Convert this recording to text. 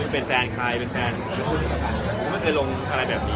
เป็นแฟนใครไม่เคยลงอะไรแบบนี้